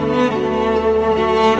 suara kamu indah sekali